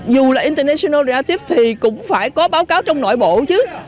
dù là international initiative thì cũng phải có báo cáo trong nội bộ chứ